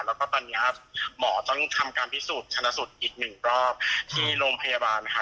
แล้วก็ตอนนี้หมอต้องทำการพิสูจน์ชนะสูตรอีกหนึ่งรอบที่โรงพยาบาลนะคะ